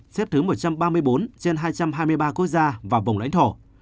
xếp thứ một trăm ba mươi bốn trên hai trăm hai mươi ba quốc gia và vùng lãnh thổ